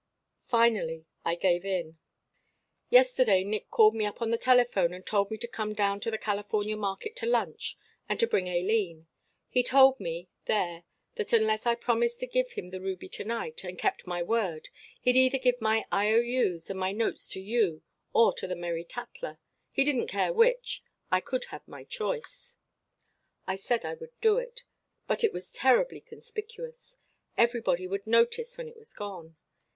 "Finally I gave in. Yesterday Nick called me up on the telephone and told me to come down to the California Market to lunch, and to bring Aileen. He told me there that unless I promised to give him the ruby to night, and kept my word, he'd either give my I.O.U.'s and my notes to you or to the Merry Tattler. He didn't care which. I could have my choice. "I said I would do it. But it was terribly conspicuous. Everybody would notice when it was gone.